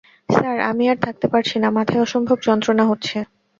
Sir, আমি আর থাকতে পারছি না, মাথায় অসম্ভব যন্ত্রণা হচ্ছে।